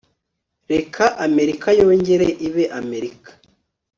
reka amerika yongere ibe amerika